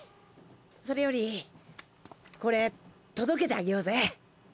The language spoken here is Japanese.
それよりこれ届けてあげようぜ。